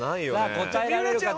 さあ答えられる方。